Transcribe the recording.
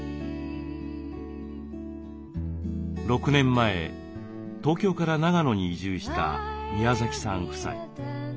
６年前東京から長野に移住した宮崎さん夫妻。